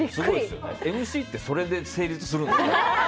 ＭＣでそれで成立するんですね。